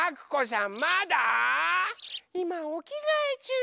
いまおきがえちゅう。